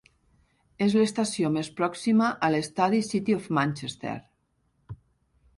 És l'estació més pròxima a l'estadi City of Manchester.